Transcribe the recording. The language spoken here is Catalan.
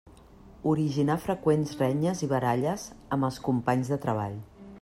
Originar freqüents renyes i baralles amb els companys de treball.